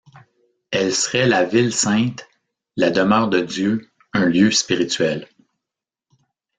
Elle serait la ville sainte, la demeure de Dieu, un lieu spirituel.